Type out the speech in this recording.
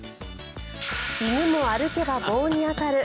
犬も歩けば棒に当たる。